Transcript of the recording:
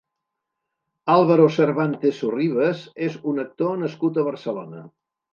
Álvaro Cervantes Sorribas és un actor nascut a Barcelona.